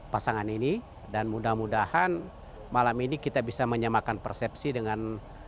pasangan ini dan mudah mudahan malam ini kita bisa menyamakan persepsi dengan